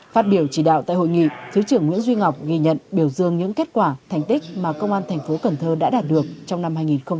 phát biểu chỉ đạo tại hội nghị thứ trưởng nguyễn duy ngọc ghi nhận biểu dương những kết quả thành tích mà công an tp cn đã đạt được trong năm hai nghìn một mươi chín